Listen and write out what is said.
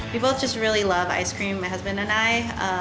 kita berdua sangat suka es krim suami dan aku